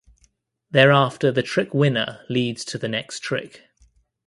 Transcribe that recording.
Thereafter the trick winner leads to the next trick.